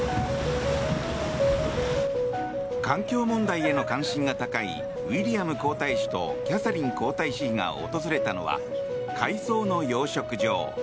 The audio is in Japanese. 環境問題への関心が高いウィリアム皇太子とキャサリン皇太子妃が訪れたのは海藻の養殖場。